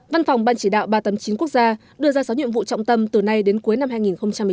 văn phòng ban chỉ đạo ba trăm tám mươi chín quốc gia đưa ra sáu nhiệm vụ trọng tâm từ nay đến cuối năm hai nghìn một mươi chín